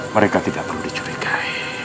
mereka tidak perlu dicuri kai